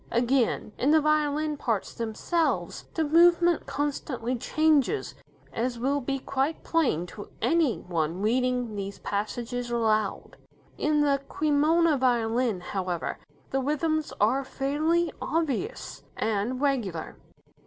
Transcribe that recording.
Again, in the violin parts themselves, the movement constantly changes, as will be quite plain to any one reading these passages aloud. In "The Cremona Violin", however, the rhythms are fairly obvious and regular.